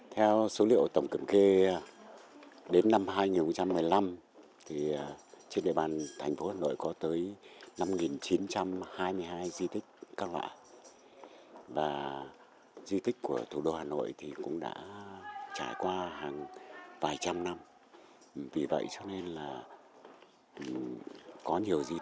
theo số liệu tổng cẩm kê đến năm hai nghìn một mươi năm trên địa bàn thành phố hà nội có tới năm chín trăm hai mươi năm